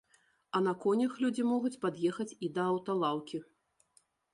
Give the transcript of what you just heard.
А на конях людзі могуць пад'ехаць і да аўталаўкі.